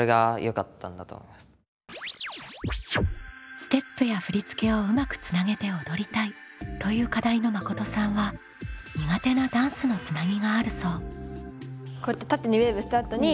「ステップや振り付けをうまくつなげて踊りたい」という課題のまことさんは苦手なダンスのつなぎがあるそう。